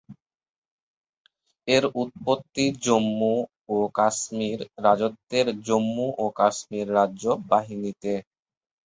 এর উৎপত্তি জম্মু ও কাশ্মীর রাজত্বের জম্মু ও কাশ্মীর রাজ্য বাহিনীতে।